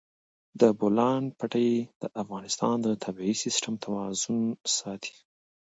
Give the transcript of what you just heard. د بولان پټي د افغانستان د طبعي سیسټم توازن ساتي.